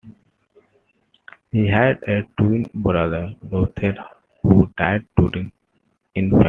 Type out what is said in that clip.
He had a twin brother, Lothair who died during infancy.